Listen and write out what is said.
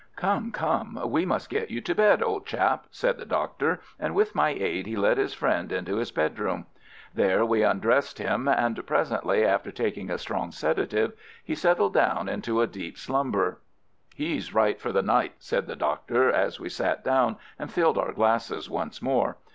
"Come, come, we must get you to bed, old chap," said the Doctor, and with my aid he led his friend into his bedroom. There we undressed him, and presently, after taking a strong sedative, he settled down into a deep slumber. "He's right for the night," said the Doctor, as we sat down and filled our glasses once more.